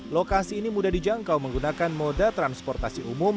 lokasi ini mudah dijangkau menggunakan moda transportasi umum